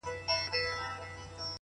د کوټې دننه رڼا د بهر تیاره نرموي